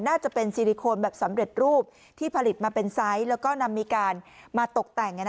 น่าจะเป็นซิลิโคนแบบสำเร็จรูปที่ผลิตมาเป็นไซส์แล้วก็นำมีการมาตกแต่ง